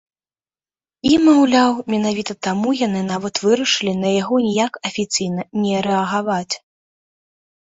І, маўляў, менавіта таму яны нават вырашылі на яго ніяк афіцыйна не рэагаваць.